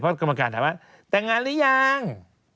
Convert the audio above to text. เพราะกรรมการถามว่าแต่งงานหรือยัง